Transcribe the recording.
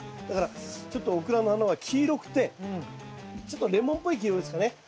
だからちょっとオクラの花は黄色くてちょっとレモンっぽい黄色ですかね。